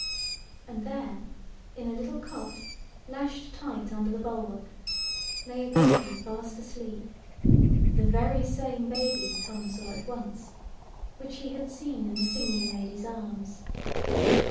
And there, in a little cot, lashed tight under the bulwark, lay a baby fast asleep; the very same baby, Tom saw at once, which he had seen in the singing lady's arms.